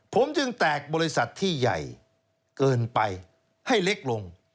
ผมจึงแตกบริษัทที่ใหญ่เกินไปให้เล็กลง